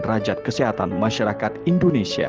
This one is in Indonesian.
rajad kesehatan masyarakat indonesia